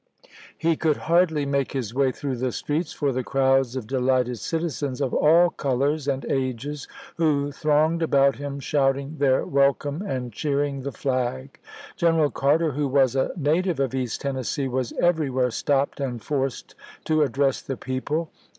He could hardly make his way through the streets for the crowds of delighted citizens of all colors and ages who thronged about him shouting their welcome and cheering the flag. General Carter, who was a native of East Tennessee, was everywhere stopped and forced to address the people.